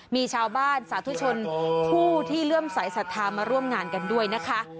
มีชาวบ้านสาธุชนผู้ที่เลื่อมสายศรัทธามาร่วมงานกันด้วยนะคะ